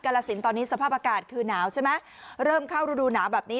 กรระล่าซินตอนนี้สภาพอากาศคือนาวใช่ไหมเริ่มเข้าฤดูหนาบางนี้